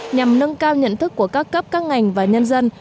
nhằm nâng cao nhận thức của các cấp các ngành và nhân dân